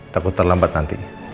takut terlambat nanti